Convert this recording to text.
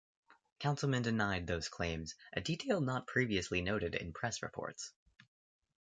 Councilman denied those claims, a detail not previously noted in press reports.